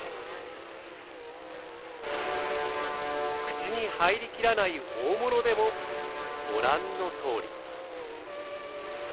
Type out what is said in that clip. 口に入りきらない大物でもご覧のとおり。